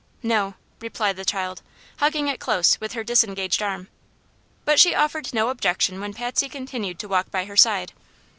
"No," replied the child, hugging it close with her disengaged arm. But she offered no objection when Patsy continued to walk by her side.